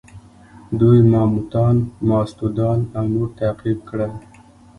دوی ماموتان، ماستودان او نور تعقیب کړل.